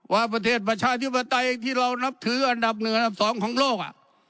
ว่าประเทศประชาธิปไตยที่เรานับถืออันดับหนึ่งอันดับ๒ของโลก